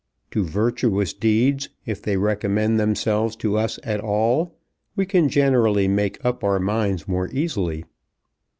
To virtuous deeds, if they recommend themselves to us at all, we can generally make up our minds more easily.